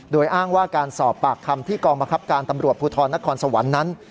โดยอ้างว่าการสอบปากคำที่กองบังคับการตำรวจภูทรนครสวรรค์นั้น